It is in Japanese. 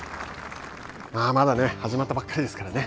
まだ始まったばっかりですからね。